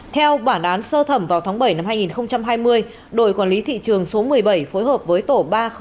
theo bản án sơ thẩm vào tháng bảy năm hai nghìn hai mươi đội quản lý thị trường số một mươi bảy phối hợp với tổ ba trăm linh một